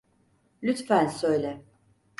Lütfen söyle.